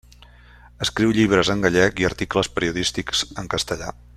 Escriu llibres en gallec i articles periodístics en castellà.